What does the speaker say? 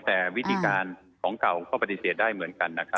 แต่วิธีการของเก่าก็ปฏิเสธได้เหมือนกันนะครับ